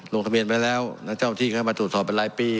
ลงทะเบียนไว้แล้วนะเจ้าที่เข้ามาตรวจสอบเป็นรายปี